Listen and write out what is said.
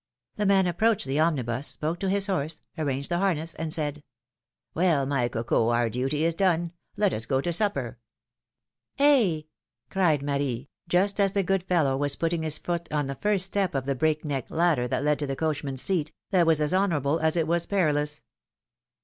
The man approached the omnibus, spoke to his horse, arranged the harness, and said : Well, my Coco, our duty is done; let us go to sup per.' PHILOMi:NE's MARRIAGES. 267 Eh ! cried Marie, just as the good fellow was putting his foot on the first step of the breakneck ladder that led to the coachman^s seat, that was as honorable as it was perilous.